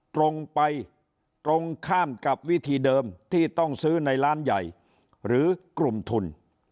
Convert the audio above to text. ตรงไปตรงข้ามกับวิธีเดิมที่ต้องซื้อในร้านใหญ่หรือกลุ่มทุน